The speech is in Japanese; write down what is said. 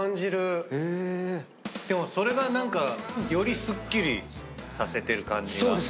でもそれが何かよりすっきりさせてる感じが。